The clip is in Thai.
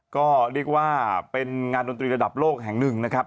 ก็เรียกว่าเป็นงานดนตรีระดับโลกแห่งหนึ่งนะครับ